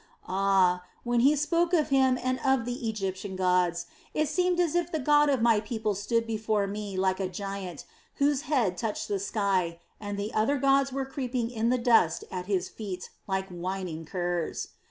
Ah, when he spoke of Him and of the Egyptian gods, it seemed as if the God of my people stood before me like a giant, whose head touched the sky, and the other gods were creeping in the dust at his feet like whining curs.